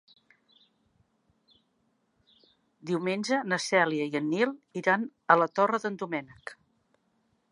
Diumenge na Cèlia i en Nil iran a la Torre d'en Doménec.